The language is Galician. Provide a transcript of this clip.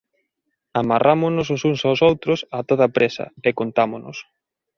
Amarrámonos os uns ós outros a toda présa, e contámonos.